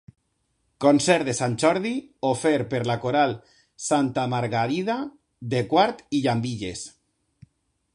Concert de Sant Jordi ofert per la Coral Santa Margarida de Quart i Llambilles.